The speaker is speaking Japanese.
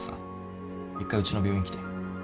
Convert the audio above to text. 一回うちの病院来て。